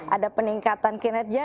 ada peningkatan kinerja